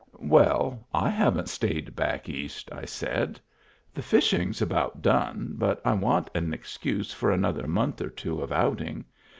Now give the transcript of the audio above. '* "Well, I haven't stayed back East," I said. "The fishing's about done, but I want an excuse for another month or two of outing.